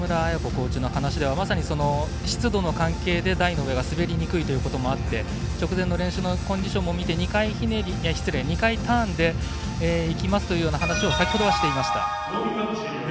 コーチの話ではまさに湿度の関係で台の上は滑りにくいということもあって直前の練習のコンディションも見て２回ターンでいきますというような話を先ほどはしていました。